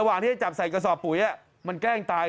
ระหว่างที่จะจับใส่กระสอบปุ๋ยมันแกล้งตาย